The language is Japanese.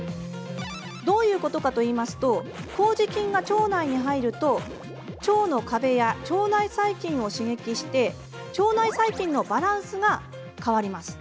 どういうことかというとこうじ菌が腸内に入ると腸の壁や腸内細菌を刺激して腸内細菌のバランスが変わります。